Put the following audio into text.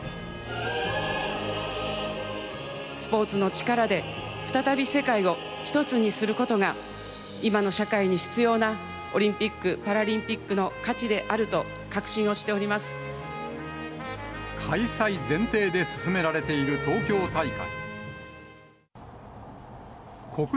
スポーツの力で、再び世界を一つにすることが、今の社会に必要なオリンピック・パラリンピックの価値であると確開催前提で進められている東京大会。